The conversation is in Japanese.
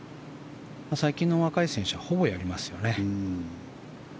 最近の若い選手はほぼやりますよね。